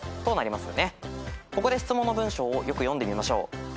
ここで質問の文章をよく読んでみましょう。